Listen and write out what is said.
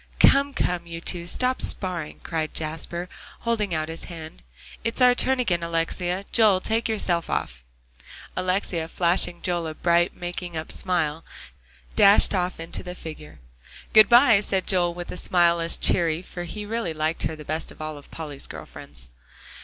"Come, come, you two, stop sparring," cried Jasper, holding out his hand; "its our turn again, Alexia. Joel, take yourself off." Alexia flashing Joel a bright, making up smile, dashed off into the figure. "Good by," said Joel with a smile as cheery, for he really liked her the best of all Polly's girl friends.